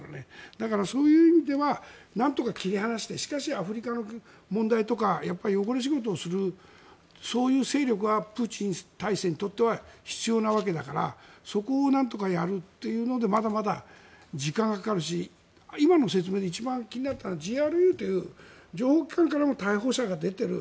だから、そういう意味ではなんとか切り離してしかし、アフリカの問題とか汚れ仕事をする勢力はプーチン体制にとっては必要なわけだからそこをなんとかやるというのでまだまだ時間がかかるし今の説明で一番気になったのはＧＲＵという情報機関からも逮捕者が出ている。